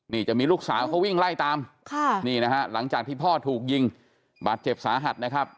นี่จะมีลูกสาวเขาวิ่งไล่ตามค่ะนี่นะฮะหลังจากที่พ่อถูกยิงบาดเจ็บสาหัสนะครับ